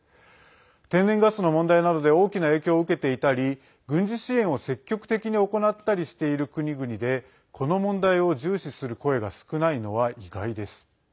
天然ガスの問題などで大きな影響を受けていたり軍事支援を積極的に行ったりしている国々でこの問題を重視する声が少ないのは意外です。